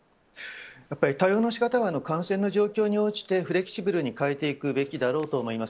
対応の仕方は感染の状況に応じてフレキシブルに変えていくべきだと思います。